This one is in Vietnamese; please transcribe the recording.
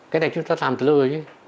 cái này chúng ta làm từ lâu rồi chứ